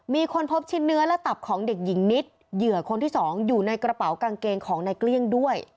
มีคนพบชิ้นเนื้อและตับของเด็กหญิงนิดเหยื่อคนที่สองอยู่ในกระเป๋ากางเกงของในเกลี้ยงด้วย